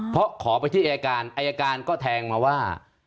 เพราะขอไปที่อายการอายการก็แทงมาว่า